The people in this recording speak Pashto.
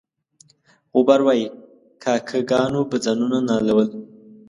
غبار وایي کاکه ګانو به ځانونه نالول.